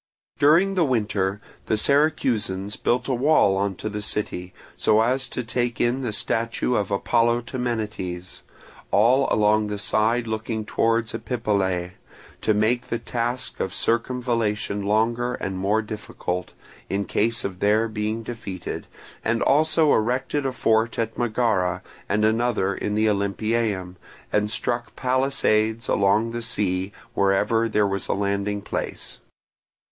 During the winter the Syracusans built a wall on to the city, so as to take in the statue of Apollo Temenites, all along the side looking towards Epipolae, to make the task of circumvallation longer and more difficult, in case of their being defeated, and also erected a fort at Megara and another in the Olympieum, and stuck palisades along the sea wherever there was a landing Place.